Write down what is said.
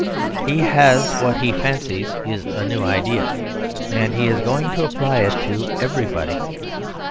He has what he fancies is a new idea; and he is going to apply it to everybody.